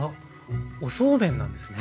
おそうめんなんですね。